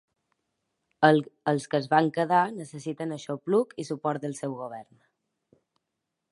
Els que es van quedar, necessiten aixopluc i suport del seu govern.